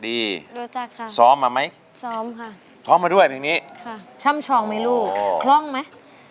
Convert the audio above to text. รู้จักค่ะซ้อมมาไหมซ้อมค่ะซ้อมมาด้วยเพลงนี้ค่ะช่ำชองไหมลูกคล่องไหม